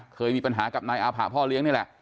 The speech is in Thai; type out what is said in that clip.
เคยมีปัญหากับนายอาผะพ่อเลี้ยงนี่แหละ